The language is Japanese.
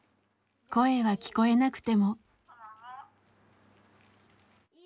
声は聞こえなくても。